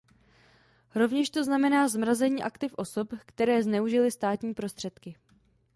Rovněž to znamená zmrazení aktiv osob, které zneužily státní prostředky.